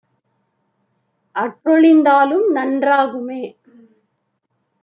அற்றொழிந் தாலும்நன் றாகுமே!